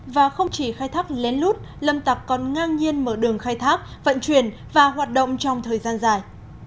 và không chỉ khai thác lén lút lâm tập còn ngang nhiên mở đường khai thác vận chuyển và hoạt động trong thời gian dài